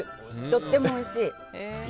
とってもおいしい。